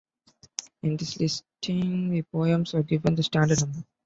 In this listing, the poems are given the standard numbers.